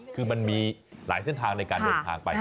คือมันมีหลายเส้นทางในการเดินทางไป